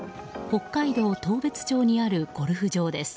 北海道当別町にあるゴルフ場です。